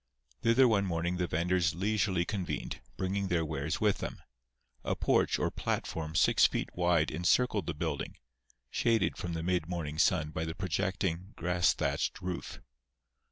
Thither one morning the venders leisurely convened, bringing their wares with them. A porch or platform six feet wide encircled the building, shaded from the mid morning sun by the projecting, grass thatched roof.